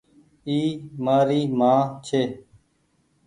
اي مآري مان ڇي۔